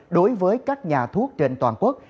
đối với các nhà thuốc trên toàn quốc